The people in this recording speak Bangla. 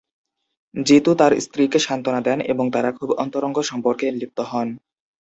জিতু তাঁর স্ত্রীকে সান্ত্বনা দেন এবং তাঁরা খুব অন্তরঙ্গ সম্পর্কে লিপ্ত হন।